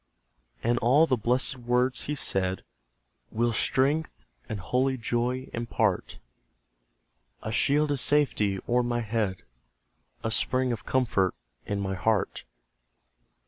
And all the blessed words He said Will strength and holy joy impart: A shield of safety o'er my head, A spring of comfort in my heart.